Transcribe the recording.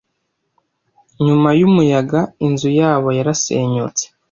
Nyuma yumuyaga, inzu yabo yarasenyutse.